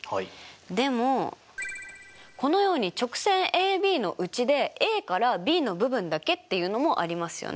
でもこのように直線ＡＢのうちでＡからＢの部分だけっていうのもありますよね。